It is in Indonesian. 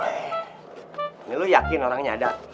ini lu yakin orangnya ada